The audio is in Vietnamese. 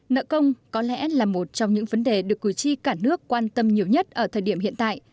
nợ công có lẽ là một trong những vấn đề được cử tri cả nước quan tâm nhiều nhất ở thời điểm hiện tại